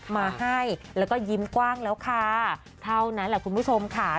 มาให้แล้วก็ยิ้มกว้างแล้วค่ะเท่านั้นแหละคุณผู้ชมค่ะ